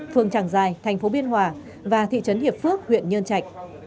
phường tràng giài thành phố biên hòa và thị trấn hiệp phước huyện nhơn trạch